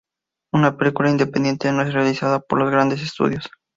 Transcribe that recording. Una película independiente no es realizada por los grandes estudios.